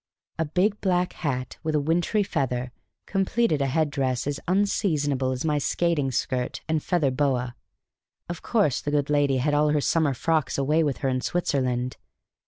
A big black hat with a wintry feather completed a headdress as unseasonable as my skating skirt and feather boa; of course, the good lady had all her summer frocks away with her in Switzerland.